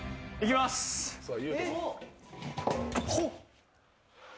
ほっ！